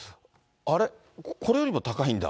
あれ、これよりも高いんだ？